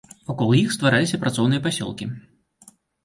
Вакол іх ствараліся працоўныя пасёлкі.